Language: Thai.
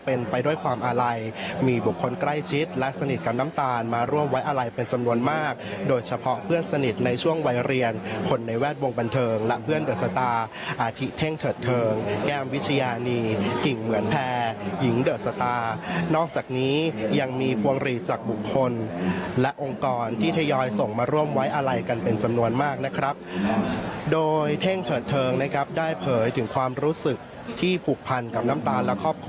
เป็นไปด้วยความอาลัยมีบุคคลใกล้ชิดและสนิทกับน้ำตาลมาร่วมไว้อาลัยเป็นสำนวนมากโดยเฉพาะเพื่อนสนิทในช่วงวัยเรียนคนในแวดวงบันเทิงและเพื่อนเดอะสตาร์อาทิเท่งเถิดเทิงแก้มวิชญานีกิ่งเหมือนแพร่หญิงเดอะสตาร์นอกจากนี้ยังมีภวงรีจากบุคคลและองค์กรที่เทยอยส่งมาร่วมไว้อาลัยก